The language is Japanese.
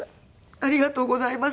ありがとうございます。